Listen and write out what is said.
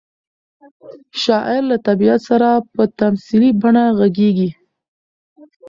شاعر له طبیعت سره په تمثیلي بڼه غږېږي.